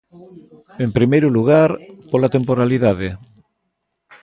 En primeiro lugar, pola temporalidade.